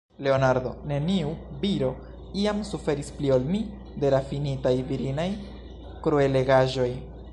Leonardo, neniu viro iam suferis pli ol mi de rafinitaj virinaj kruelegaĵoj.